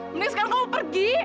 mending sekarang kamu pergi